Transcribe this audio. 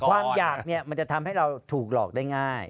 ความอยากเนี่ยมันจะทำให้เราถูกหลอกได้ง่าย